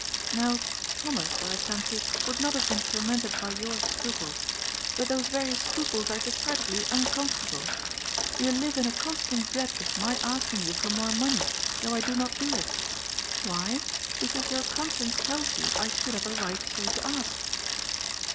Now, Thomas, I fancy, would not have been tormented by your scruples. But those very scruples are decidedly uncomfortable. You live in a constant dread of my asking you for more money, though I do not do it. Why? Because your conscience tells you I should have a right so to ask."